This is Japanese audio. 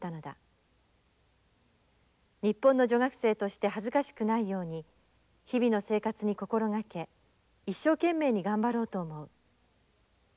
日本の女学生として恥ずかしくないように日々の生活に心がけ一生懸命に頑張ろうと思う」。